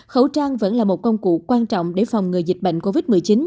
khẩu trang vẫn là một công cụ quan trọng để phòng ngừa dịch bệnh covid một mươi chín